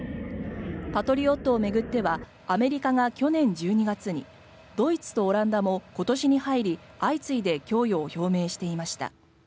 パトリオットを巡ってはアメリカが去年１２月にドイツとオランダも今年に入り相次いで供与を表明していました。